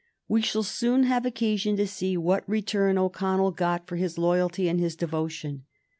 We shall soon have occasion to see what return O'Connell got for his loyalty and his devotion.